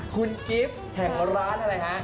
คุณกิฟต์แห่งร้านอะไรฮะ